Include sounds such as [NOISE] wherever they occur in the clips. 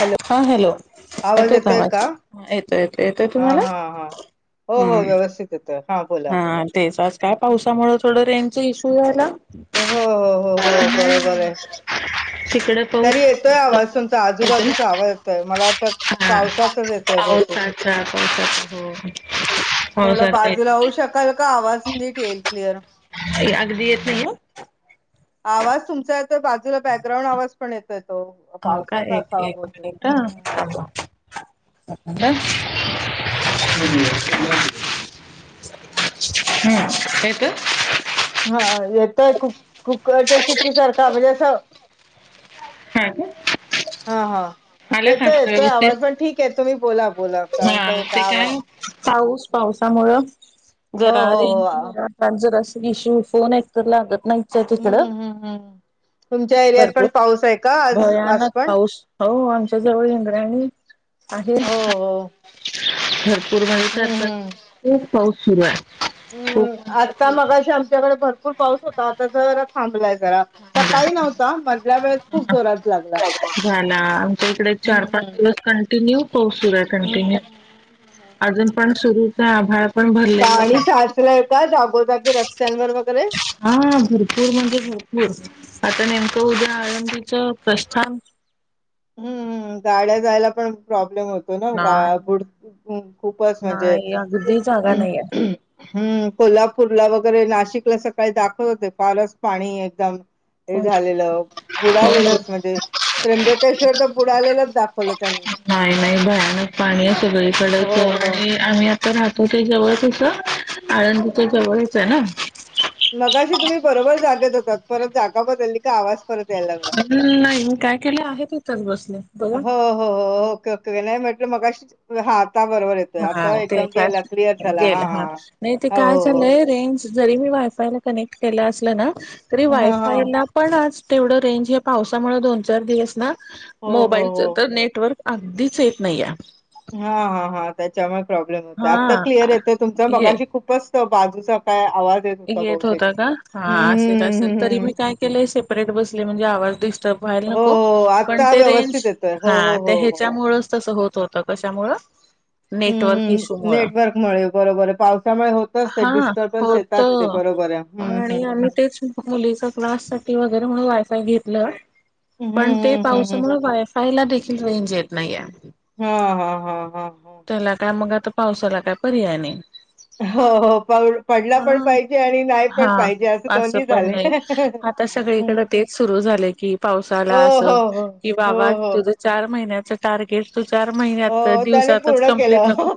Hello. हा hello येतोय का आवाज येतो येतो येतोय हा तुम्हाला? हा हा हो हो हम्म व्यवस्थित येतोय. हा तेच आज काय पावसामुळेळ थोडं रेंजच इश्यू झाला. हो हो हो हो बरोबर आहे. तिकडे पाऊस तरी येतोय आवाज तुमचा येतो आजूबाजूचा ना आवाज मला वाटत पावसाचाच येतोय. बहुतेक पाउसाचा पाउसाचा हो पाऊसाचा ये राहू शकाल का आवाज निट येईल क्लिअर. री येत नैयेय. आवाज तुमचा येतो बाजूला बॅकग्राऊंड आवाज पण येत हो का एक एक मिनिट हम्म. थांबा. एक मिनटं. हूं तेत हा येतोय कुक कुकरच्या शिट्टी सारखा म्हणजे अस हा का. हा हा आला का येतोय आता येतोय आवाज पण व्यवस्थित ठीक आहे तुम्ही बोला. बोला कारण हा तो ते का आवाज काय? पाऊस पावसामुळ हो जरा हो हो रेंज जराशी इशू फोन एक तर लागत नाहीच हाय हम्म तिकडं. हम्म हम्म. तुमच्या एरियात पण भरपूर पाऊस आहे का आज आज भयानक पण? पाऊस हो आमच्या जवळ इंद्रायणी आहे. हो हो घर पुर बाहेर हम्म पडतात हम्म. खूप पाऊस सुरू आहे. खूप हम्म म्हणजे आत्ता मगाशी आमच्याकडे भरपूर पाऊस होता. आता जरा थांबलाय. जरा सकाळी नव्हता, मधल्या वेळेस खूप जोरात लागला. च्या इकडे हम्म चार पाच हम्म. दिवस कंटिन्यू पाऊस सुरु आहे हम्म, कंटिन्यू हम्म, हम्म, हम्म, अजून हम्म. पण सुरू च आभाळ पण भरलेलंच पाणी आहे साचलय का जागोजागी रस् हा भरपूर म्हणजे भरपूर आता नेमकं उद्या आळंदीच प्रस्थान हम्म गाड्या जायला पण प्रॉब् लय होतो ना, काळा नाही गुड खूपच म्हणजे, नाही अगदी जागा नाहीये हम्म कोल्हापूरला वगैरे नाशिकला सकाळी दाखवत होते. फारच पाणी एकदम हो हे झालेलं हो बुडालेलंच म्हणजे त्रंब केशवर तर बुडालेलाच दाखवलं त्यांनी. नाही नाही भयानक पाणी हे हो, सगळीकडेच हो. आणि आम्ही राहतो जवळच होतं. आळंदिच्या जवळच हाय ना. मगाशी तुम्ही बरोबर जागेत होतात, परत जागा बदलली का आवाज परत याय लागला हम्म, नाही मी काय केलं आहे तिथंच बसले बघा हो हो हो ओके ते नाही म्हटलं मगाशी हा त हा तेच हा झाला. हां, गेलं हां, हां. नाही ते हो, काय हो, हो. चालंय रेंज जरी मी वाय फायला कनेक्ट केलं असल ना तरी हां, हां, वायफायला पण आज तेवढं रेंज हे पावसामुळे दोन चार दिवस ना हो, हो, मोबाईलच हो. तर नेटवर्क अगदीच येत नाहीये. हा हा हा त्याच्यामुळे प्रॉब्लेम होत. आता क्लिअर हा येतोय तुमचा हे मगाशी खूपच बाजूचां काय येत होता का हा असेल हं, असेल हं, तरी हं. मी काय केले, सेपरेट बसले म्हणजे आवाज कट व्हायला हो, नको हो. पण आता ते रेंज व्यवस्थित येतोय. हो, हा हो, ते हो, हो. हं, हं. ह्याच्यामुळेच तस होत होत. कशामुळं? नेटवर्क इश्यू हं. मुळ नेटवर्कमुळे बरोबर आहे. पावसामुळे होतच ते हा डिस्टर्बन्स हो त येतात ते बरोबर आहे. हं, हं, आणि आम्ही हं. तेच मुलीचा क्लास ती वगैरे म्हणून वाय फाय घेतलं हं, पण ते हं, हं, हं. पावसामूळ वायफायला देखी ल रेंज येत नाहीय. हम् हा हा हम हम. काय मग आता पावसाला काय पर्याय नाही. हो हो पाऊस पडला पण हा पाहिजे आणि नाही पण हा पाहिजे असं दोनही पण झाले. नाही भरलं की पाऊस आला असं, की हो, वा-वा हो. तुझं चार महिन्याच टार्गेट तू चार महिन्यात अ, त्याने दिवसातच पूर्ण कंप्लीट केलं. नको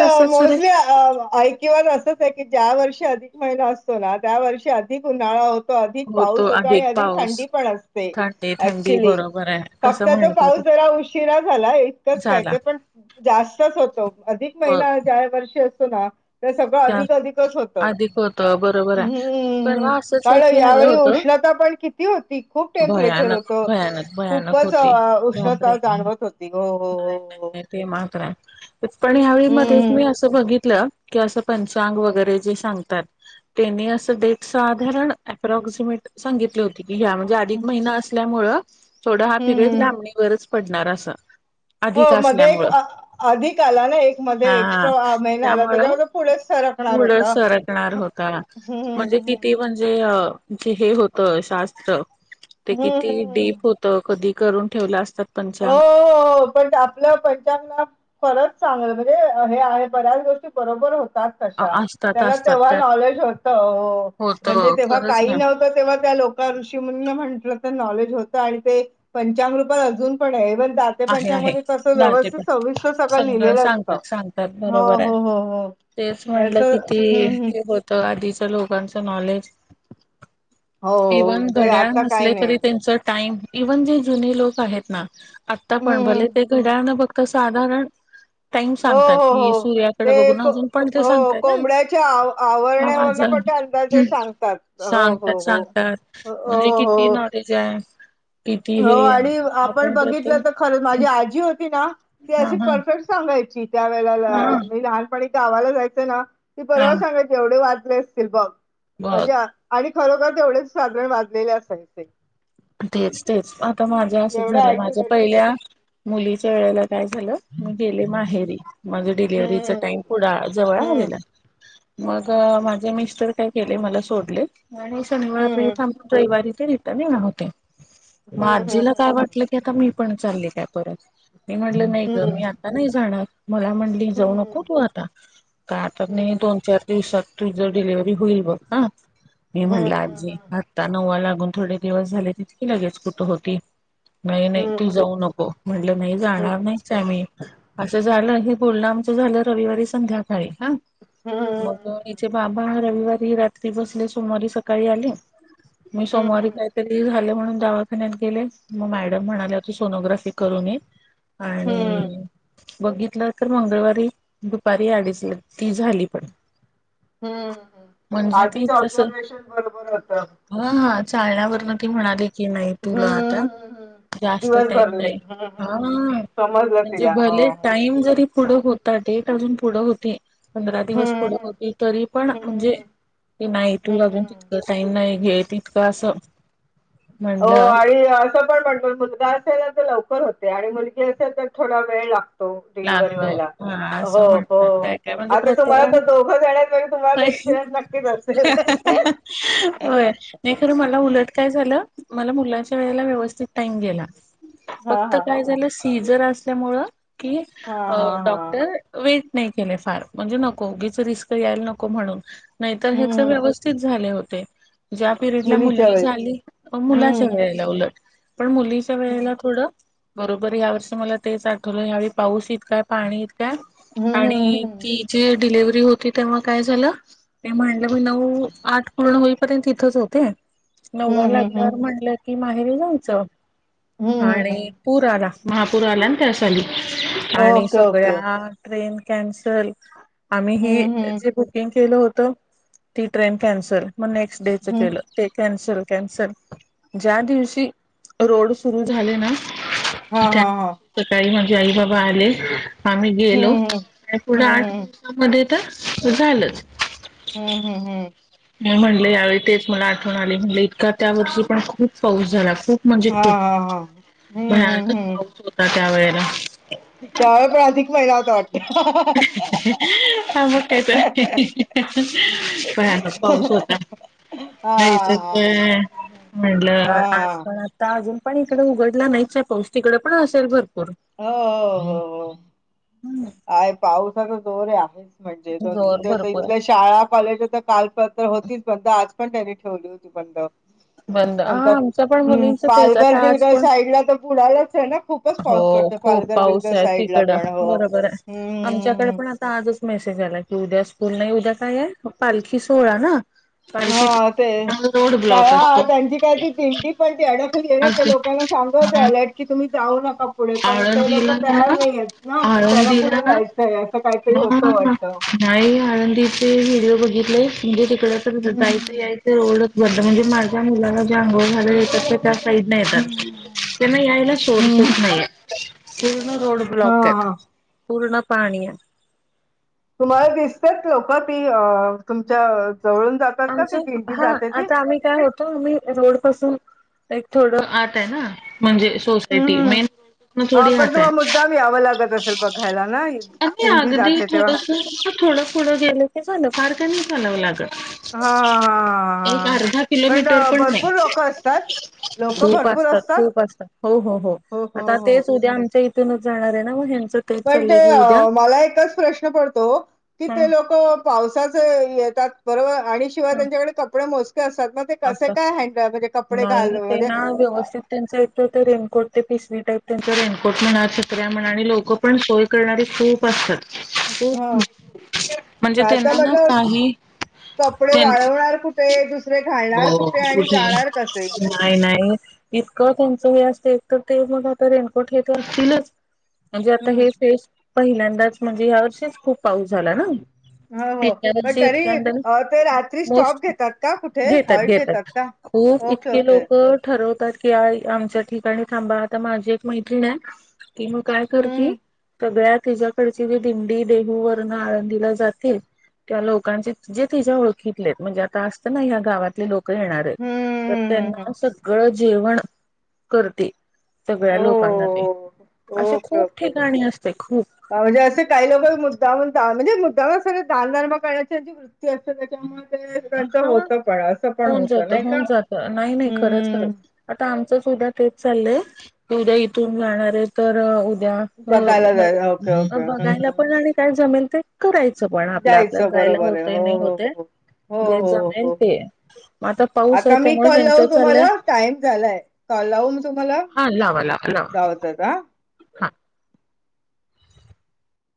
तसच. रे पोहचली आ ऐक किंवा असंच आहे की ज्या वर्षी अधिक महिना असतो ना त्या वर्षी अधिक उन्हाळा हो तो. अधिक होतो पाऊस होत, अधिक पाऊस थंडी पण असते. थंडी थंडी ऍक्चुली बरोबर आहे कसं फक्त तो म्हणतात पाऊस जरा उशिरा झाला. इतकच काय झाला ते पण जास्तच होतो. अधिक हो महिना ज्या वर्षी अस तो ना. ते सगळं त्या अधिक अधिकच होतं. अधिक होत बरोबर आहे हम परवा असंच एक कारण हे आलं यावेळी होतं उष्ण ना पण किती होती. खूप टेम्परेचर भयानक होत भयानक भयानक खूपच होती उष्ण ता बापरे जाणवत होती हो हो हो. नाही ते मात्र आहे पण ह्यावेळी मध्ये हम्म मी असं बघितलं की असं पंचांग वगैरे जे सांगतात. त्यांनी असं डेट साधारण अप्रॉक्सिमेटली सांगितली होती. घ्या म्हणजे अधिक हम्म महिना असल्यामुळं थोडा हा हम्म पिरियड हम्म. लांबणीवरच पडणार असं. अधिक हो मध्ये एक असल्यामुळं अधिक आला ना एक मध्ये एक्स्ट्रा महिना आला त्याच्यामध्ये पुढे पुढ सरकणार होता हम्म म्हणजे हम्म किती म्हणजे [UNINTELLIGIBLE] होत शास्त्र ते हम्म किती हम्म हम्म. डीप होत कधी. करून ठेवला असतात. पंचांग हो पण आपल्या पंचांगना खरंच चांगल म्हणजे हे आहे. बऱ्याच गोष्टी बरोबर होत. ता तश्या असतात त्याला असतात तेव्हा त्यात नॉलेज होत. होत म्हणजे तेव्हा खरंच काही ना नव्हत तेव्हा त्या लोकांशी म्हटलं तर नॉलेज होत आणि ते पंचाग रूपात अजून पण आहे. बर दाते आहे पंचागं आहे मध्ये तस राहते व्यवस्थित पण सविस्तर सगळ सगळं लिहिलेलं असत सांगतात सांगतात हो बरोबर आहे हो हो हो. तेच त्याच म्हटलं किती हम्म हम्म हे होत. आधीच्या लोकांचं नॉलेज. हो हो इव्हन ते घड्याळ आता काय नसले नाही तरी त्यांच टाईम इव्हन जे जुने लोक आहेत ना आता हम्म पण भले हम्म ते घड्याळ बघ तर साधारण. टाईम हो सांगतात हो कि हो सूर्याकडे ते बघून को- अजून पण को- ते हो सांगतय कोंबड्याच्या आव आवरण्यावरन ना. पण ते अंदाजे सांगतात. हो हो सांगतात हो सांगतात हो म्हणजे हो किती नॉलेज आहे. किती हो हे आणि आपण बघित खर माझी आजी होती ना ते हा अशी हा परफेक्ट सांगायची. त्या हा वेळेला मी लहानपणी गावाला जायचं ना ती हा परव सांगायची एवढे वाचले असतील बघ. बघ आज्या आणि खरोखर तेवढेच सा [UNINTELLIGIBLE] वाजलेले असायचे. तेच तेच आता माझ्या असंच एवढं झालं माझ्या ऍक्युरेट होत. पहिल्या मुलीच्या वेळेला काय झालं मी गेले माहेरी माझ डिलिव्हरीचा हम्म टाइम पुढ जवळ हम्म आलेला. [INAUDIBLE] मग माझे मिस्टर काय केले मला सोडले आणि शनिवार त हम्म थांब रविवारी थ [UNINTELLIGIBLE] म हम्म हम्म आजीला काय वाटलं की आता मी पण चालले काय परत. मी म्हटलं नाही हम्म ग मी हम्म आता नाही जाणार. मला म्हणली जाऊ हम्म नको तू आता का आता मी हम्म दोन चार दिवसात तुझ डिलव्हरी होईल बघ हा, मी म्हटलं आजी आत्ता नवा लागून थोडे दिवस झाले. इितकी लगेच कुठ होती. नाही नाही तू जाऊ नको म्हटलं नाही जाणार नाहीच आहे मी असं झालं. बोलणं आमचं झालं रविवारी संध्याकाळी हा, मग हेचे आधीच बाबा रविवारी रात्री बसले सोमवारी सकाळी आले, मी सोमवारी काहीतरी झा म्हणून दावाखान्या गेले मग मॅडम म्हणाले तू सोनोग्राफी करून ये. आणि बघितलं तर मंगळवारी दुपारी अडीच ती झाली पण. हम्म, म्हणजे ती आजीच जसं ऑब्झर्वेशन बरोबर होत. चाळण्यावरन ती म्हणाली की नाही तुला हम्म आता हम्म जास्त दिवस टाईम भरले नाही, हम्म हा समजलं म्हणजे तिला हो हो भले टाईम जरी पुढं होत. डेट अजून पुढं होते. पंधरा दिवस पुढे हम्म होती तरी पण म्हणजे हम्म ते नाही तू अजून हम्म तितक टाईम नाही. घे इतक असं हो म्हणलं आणि असं पण म्हणतो मुलगा असेल तर लवकर होत. आणि मुलगी असेल तर थोडा वेळ लागतो. डिलिव्हरी लागत व्हाय ला हा असं म्हणतात काय काय म्हणजे आता तुम्हाला प्रत्येकाने दोघ जाण्या तुम्हाला काय. होय एक्सपिरियन्स नक्कीच असेल. नाही खरं मला उलट काय झालं मला मुलाच्या वेळेला व्यवस्थित टाईम गेला, हा फक्त हा काय हा झालं सीझर असल्यामुळ ओ हा हा क हा डॉक्टर व नाही केले फार म्हणजे नको उगीच रिस्क यायला नको म्हणून नाहीतर ह्याच हम्म हम् व्यवस्थित झाले होते. ज्या पिरियड ला मुलीच्या मुलगी वेळी झाली, मुलाच्या हम्म वेळेला उलट पण मुलीच्या हम्म वेळेला थोडं बरोबर या वर्षी मला तेच आठवलं यावेळी पाऊस काय पाणी इ काय हम्म आणि हम्म ती हम्म जे डिलिव्हरी होती तेव्हा काय झालं, ते म्हलं मी नऊ आठ पूर्ण होईपर्यंत इथच होते. नव्वा हम्म हम्म हम्म लागल्यावर म्हणलं की माहेरी जाऊचं हम्म हम्म आणि हम्म पुर आला. महापूर आला ना त्या साली आणि ओके ओके सगळ्या ट्रेन कॅन्सल. आम्ही ही हम्म हम्म जे बुकिंग केलं होतं ती ट्रेन कॅन्सल मग नेक्स्ट डे चं हम्म केलं ते कॅन्सल कॅन्सल ज्या दिवशी रोड सुरु झाले ना हा त्या हा हा. सकाळी माझे आई बाबा आले आम्ही गेलो हम्म पुढ हम्म आठ हम्म दिव तर झालंच. हम्म हम्म हम्म. म्हटले यावेळी तेच मला आठवण आली म्हटले इतका त्या वर्षी पण खूप पाऊस झाला खूप म्हणजे हा हा खूप हा हम्म भयानकच पाऊस होता त्या वेळेला. त्यावे पण अधिक महिना होता वाटत. [INAUDIBLE] हा मग काहीतरी भयानक पाऊस होता. हा नाही हा तर हा ते हा हा म्हटलं हा आज पण आता अजून पण इकडे उघडला नाहीच पाऊस तिकडे पण असेल भर हो हो हो आहे पाऊसाच जोर आहे. म्हणजे दोन तीन जोर ज भरपूर आहे. इथल्या शाळा कॉलेज तर काल होतीच पण आज पण त्यानी ठेवली होती बंड. बंद हा नंत् आमचं पण मुलींच तेच पालघर आता आज बिलघर पण साईडला तर बुडालाच आहे ना खूपच पाऊस हो पडतो खूप पालघर पाऊस बिलघर आहे साईडला तिकड पण हो बरोबर आहे. आमच्याकडे हम्म पण आता आजच मेसेज आला की उद्या प नाही उद्या काय आहे? पालखी सोहळा ना? पालखी हा ते त्यामुळे रोड ब्लॉक त्या असतो. त्यांची काय ती दिंडी पण ती अडकली आहे [UNINTELLIGIBLE] कि तुम्ही जाऊ न पुढे पण ते लोक आळंदीला त्यार ना नाहीयेत ना. त्याला पुढे आळंदीला जायचंय. असं काहीतरी हा होतं वाटतं. नाही आळंदीचे व्हिडिओ बघितले म्हणजे तिकडच जा हम्म याय रोडच बंद म्हणजे माझ्या मुलाला जे आंघोळ घालायला जे येतात ते त्या साईड न येतात. हम्म हम्म त्यांना यायला हम्म सोर्सच हम्म नाही ये. रोड हा ब्लॉक येत. हा पूर्ण पाणीया तुम्हाला दिसत्यात लोक? ती तुमच्या जवळून जातात का ती आमच्या दिंडी हा जाते ती आता आम्ही काय होतो आम्ही रोड पासून एक थोडं आत आहे ना, म्हणजे हम् सोसायटी हम् मेन मग हा थोडी पण आत आहे. तुम्हा मुद्दाम यावं लागत असेल बघायला ना अे दिंडी अगदी जाते तेव्हा थोडस थोडं पुुडं गेलं झालं. फार काय नाही चालाव लागत. हा हा एक हा. अर्धा पण किलोमीटर नाही भरपूर लोक असतात? लोक खूप भरपूर असतात. खूप असतात. हो हो हो आता तेच उद्या आमच्या इथून जाणार ये ना मग हेन पण ते मला एकच प्रश्न पडतो की हा ते लोक पावसाचे येत तात बरोबर आणि शिवाय हा त्यांच्याकडे कपडे मोजके असतात मग ते कसे असं काय हड म्हणजे ते नाही ते ना व्यवस्थित त्यांच इथ ते रेनकोट ते स्ट त्यांचा रेनकोट म्हणा तऱ्या म्हणा आणि लोक पण सोय करणारे खूप असतात. हा. खूप म्हणजे त्यांना ना काही कपडे त्यां वाळवणार कुठे? दुसरे घालणार कुठे आणि जाणार कसे? नाही नाही इतकं त्यान हे अस तर ते मग आ रेनकोट हे असतीलच. म्हणजे आता हम्म हे फेस पहिल्यांदाच म्हणजे या वर्षीच खूप पाऊस झाला ना? हो [UNINTELLIGIBLE] हो पण तरी अ, ते रात्री स्टॉप घेतात का कुठे हॉल्ट घेतात का ओके इतके ओके लोक ठरवून त की आमच्या ठिकाणी थांबा. आता माझी एक मैत्रिण ये. ती म काय करती हम्म सगळ्यात तिच्याकडची जी दिंडी देहू वर्ण आळंदीला जातील. त्या लोकांचे जे तिज्या ओळखीतले म्हणजे आता असतं ना ह्या गावातले लोक येणार येत. तर हम्म त्यांना सगळं जेवण करते. सगळ्या ओ लोकांना ते असे ओके खूप ओके ठिकाणी असते खूप म्हणजे असे काही लोक मुद्दामुन म्हणजे मुद्दा सगळ दधानधर्मा करण्याची वृत्ती असतं त्याच्यामुळे ते त्यांचं हा होतं पण असं पण होन होतं जात नाही का होऊन जात नाही नाही खरंच हम्म खरच आता आमचच उद्या तेच चालय उद्या इथून जाणार आहे तर द्या बघायला जायचं ओके ओके हम्म बघायला पण आणि काय जमेल ते कराय जायच बरोबर आहे हो हो हो. हो जे हो हो. जमेल ते मग आता पाऊस आहे आता मी त्यामुळे कॉल लावू ह्यांचं तुम्हाला? चाललंय टाइम झालाय. कॉल हा [UNINTELLIGIBLE] हा.